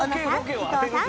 伊東さん